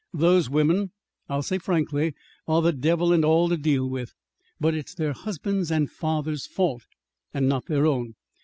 Those women, I'll say frankly, are the devil and all to deal with. But it's their husbands' and fathers' fault, and not their own.